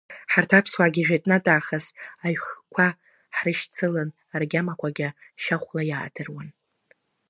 Ҳарҭ аԥсуаагьы жәытә-натә аахыс аҩхкқәа ҳрышьцылан, ргьамақәагьы шьахәла иаадыруан.